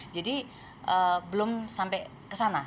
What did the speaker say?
jadi belum sampai ke sana